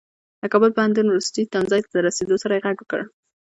د کابل پوهنتون وروستي تمځای ته د رسېدو سره يې غږ کړ.